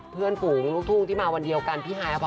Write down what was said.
เพื่อนฝูงลูกทุ่งที่มาวันเดียวกันพี่ไฮอพ